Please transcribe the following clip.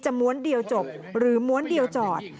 ม้วนเดียวจบหรือม้วนเดียวจอด